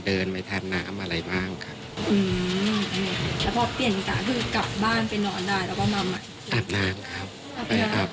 เพราะพวกเธอห้ามเหนื่อยห้ามหยุดพัก